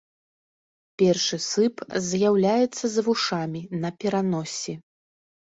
Першы сып з'яўляецца за вушамі, на пераноссі.